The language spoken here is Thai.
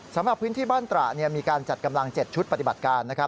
สำหรับพื้นที่บ้านตระมีการจัดกำลัง๗ชุดปฏิบัติการ